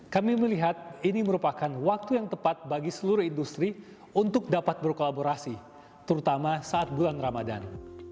kami melihat ini merupakan waktu yang tepat bagi seluruh industri untuk dapat berkolaborasi terutama saat bulan ramadan